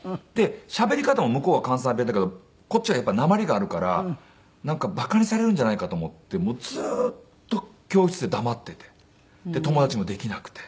しゃべり方も向こうは関西弁だけどこっちはやっぱりなまりがあるからなんか馬鹿にされるんじゃないかと思ってずーっと教室で黙ってて友達もできなくて。